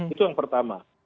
itu yang pertama